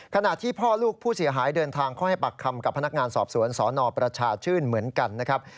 ขณะที่พ่อลูกผู้เสียหายเดินทางเข้าให้ปากคำกับพนักงานสอบสวนสนประชาชื่นเหมือนกันนะครับ